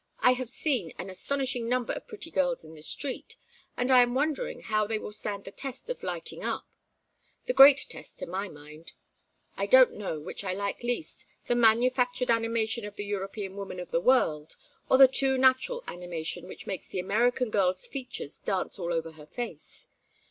I have seen an astonishing number of pretty girls in the street, and I am wondering how they will stand the test of lighting up; the great test to my mind. I don't know which I like least, the manufactured animation of the European woman of the world, or the too natural animation which makes the American girl's features dance all over her face.